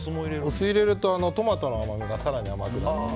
お酢を入れるとトマトの甘みが更に甘くなります。